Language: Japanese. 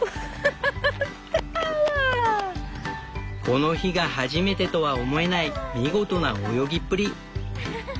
この日が初めてとは思えない見事な泳ぎっぷり。